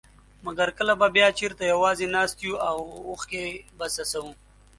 مګر کله به بيا چېرته يوازي ناست يو او اوښکي به څڅوو.